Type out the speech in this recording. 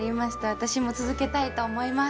私も続けたいと思います。